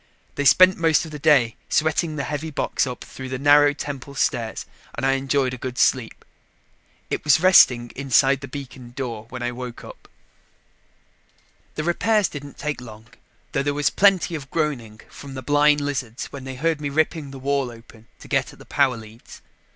They spent most of the day sweating the heavy box up through the narrow temple stairs and I enjoyed a good sleep. It was resting inside the beacon door when I woke up. The repairs didn't take long, though there was plenty of groaning from the blind lizards when they heard me ripping the wall open to get at the power leads.